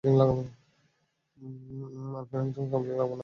Alfred, আমি তোমার cufflink লাগাবো না।